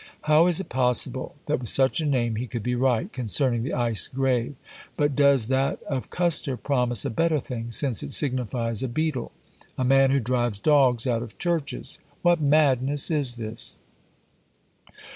How is it possible, that with such a name he could be right concerning the Æs grave? But does that of Kuster promise a better thing, since it signifies a beadle; a man who drives dogs out of churches? What madness is this!"